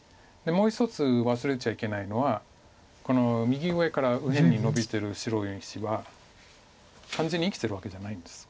もう一つ忘れちゃいけないのはこの右上から右辺にのびてる白の石は完全に生きてるわけじゃないんです。